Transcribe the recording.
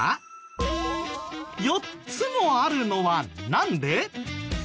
４つもあるのはなんで？